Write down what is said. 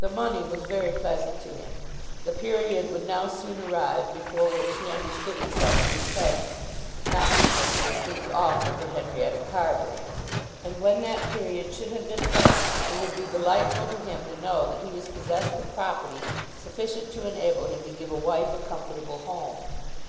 The money was very pleasant to him. The period would now soon arrive before which he understood himself to be pledged not to make a distinct offer to Henrietta Carbury; and when that period should have been passed, it would be delightful to him to know that he was possessed of property sufficient to enable him to give a wife a comfortable home.